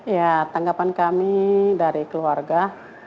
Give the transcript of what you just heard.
ya tanggapan kami dari keluarga